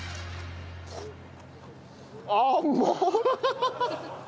甘っ！